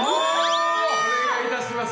お願いいたします。